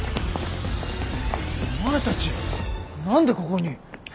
お前たち何でここに？